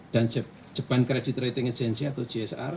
dan japan credit rating agency atau gsr